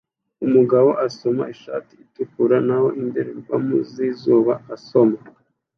umugabo asoma ishati itukura naho indorerwamo zizuba asoma